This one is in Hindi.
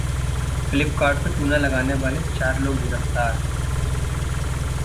फ्लिपकार्ट को चूना लगाने वाले चार लोग गिरफ्तार